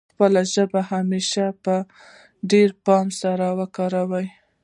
خپله ژبه همېش په ډېر پام سره وکاروي.